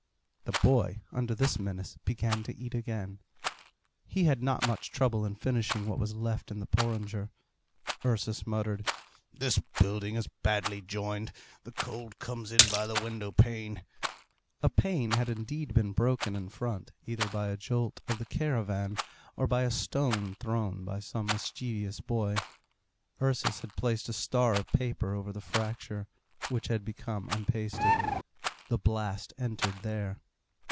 The boy, under this menace, began to eat again. He had not much trouble in finishing what was left in the porringer. Ursus muttered, "This building is badly joined. The cold comes in by the window pane." A pane had indeed been broken in front, either by a jolt of the caravan or by a stone thrown by some mischievous boy. Ursus had placed a star of paper over the fracture, which had become unpasted. The blast entered there.